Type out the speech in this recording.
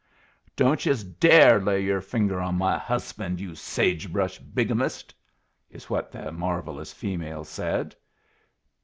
"Don't yus dare lay yer finger on my husband, you sage brush bigamist!" is what the marvelous female said.